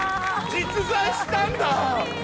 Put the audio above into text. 実在したんだ！